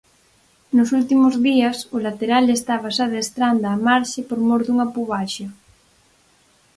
Nos últimos días o lateral estábase adestrando á marxe por mor dunha pubalxia.